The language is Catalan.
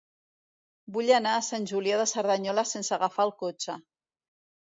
Vull anar a Sant Julià de Cerdanyola sense agafar el cotxe.